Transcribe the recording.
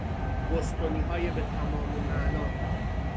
بوستونیهای به تمام معنی